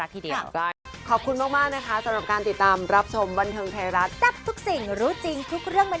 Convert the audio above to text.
ทุกที่อะต้องจุด